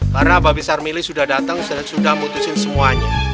karena mbak bissar mili sudah datang dan sudah memutuskan semuanya